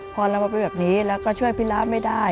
พอเรามาเป็นแบบนี้เราก็ช่วยพี่ระไม่ได้